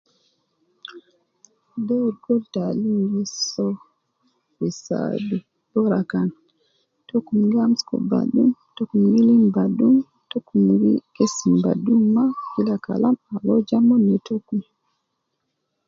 Dor kul taalim gi soo, gi saadu bora kan tokum gi amsuku badum, tokum gi lim badum, tokum gi gesim badum ma, kila kalam al uwo ja mo ne takum